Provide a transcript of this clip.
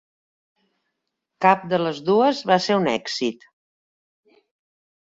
Cap de les dues va ser un èxit.